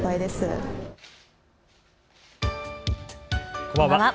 こんばんは。